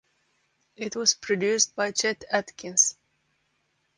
It was produced by Chet Atkins.